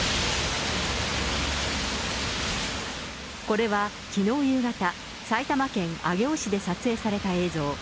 これはきのう夕方、埼玉県上尾市で撮影された映像。